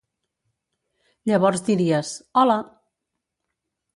Llavors diries: 'Hola!'